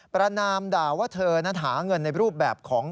ประนามด่าว่าเธอนั้นหาเงินในรูปแบบของ